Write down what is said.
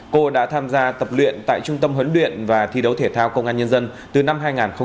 cô đã tham gia tập luyện tại trung tâm huấn luyện và thi đấu thể thao công an nhân dân từ năm hai nghìn một mươi